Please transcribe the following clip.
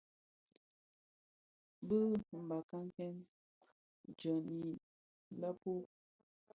Bi mbakaken jaň lèpub,